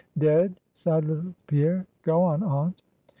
"Dead," sighed little Pierre "go on, aunt."